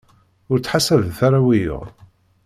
Ur ttḥasabet ara wiyaḍ.